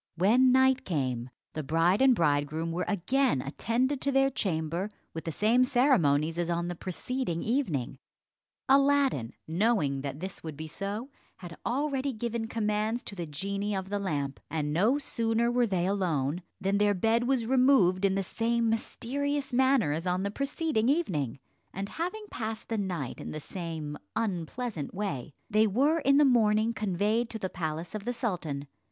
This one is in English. When night came, the bride and bridegroom were again attended to their chamber with the same ceremonies as on the preceding evening. Aladdin, knowing that this would be so, had already given his commands to the genie of the lamp; and no sooner were they alone than their bed was removed in the same mysterious manner as on the preceding evening; and having passed the night in the same unpleasant way, they were in the morning conveyed to the palace of the sultan.